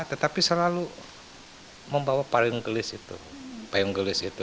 tetapi selalu membawa payung gelis itu